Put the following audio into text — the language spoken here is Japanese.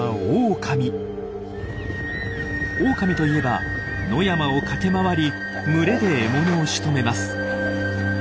オオカミといえば野山を駆け回り群れで獲物をしとめます。